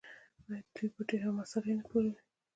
آیا دوی بوټي او مسالې نه پلوري؟